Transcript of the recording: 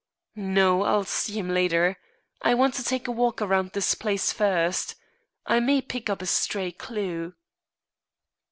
"No, I'll see him later. I want to take a walk around this place first. I may pick up a stray clue."